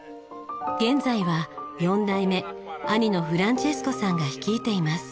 現在は４代目兄のフランチェスコさんが率いています。